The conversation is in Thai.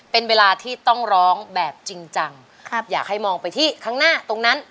เป็นเวลาที่ต้องร้องแบบจริงจังครับอยากให้มองไปที่ข้างหน้าตรงนั้น